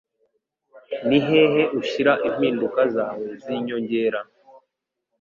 Ni hehe ushyira impinduka zawe zinyongera?